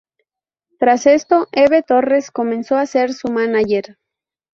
Tras esto Eve Torres comenzó a ser su mánager.